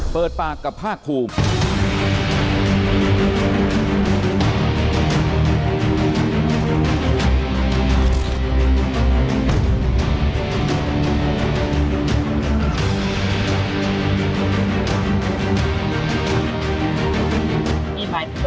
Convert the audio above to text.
เปิดปากกับภาคภูมิ